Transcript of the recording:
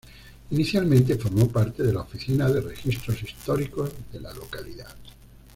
Inicialmente formó parte de la Oficina de Registros Históricos de la localidad.